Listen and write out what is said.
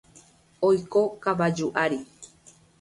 Oiko kavaju ári.